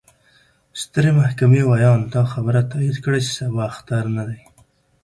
ستر محكمې وياند: دا خبره تايد کړه، چې سبا اختر نه دې.